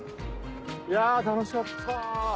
いやぁ楽しかった。